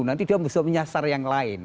nanti dia bisa menyasar yang lain